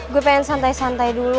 gue pengen santai santai dulu